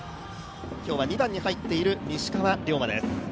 今日は２番に入っている西川龍馬です。